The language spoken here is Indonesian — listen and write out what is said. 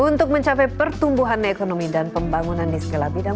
untuk mencapai pertumbuhan ekonomi dan pembangunan di segala bidang